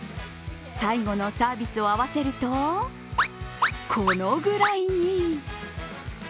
最後のサービスを合わせるとこのぐらいに。